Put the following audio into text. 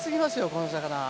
この魚。